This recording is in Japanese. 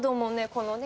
このね